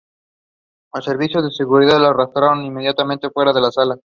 Los servicios de seguridad le arrastraron inmediatamente fuera de la sala.